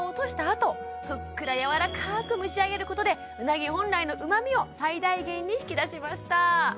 あとふっくらやわらかく蒸し上げることでうなぎ本来のうまみを最大限に引き出しました！